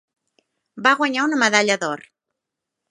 Va guanyar una medalla d'or.